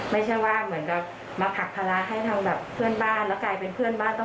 ไม่ใช่ว่าเหมือนแบบมาผลักธรรมให้ทั้งแบบเพื่อนบ้าน